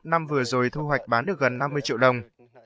năm vừa rồi thu hoạch bán được gần năm mươi triệu đồng